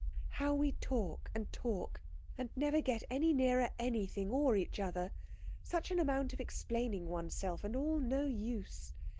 "How we talk and talk and never get any nearer anything or each other. Such an amount of explaining oneself, and all no use.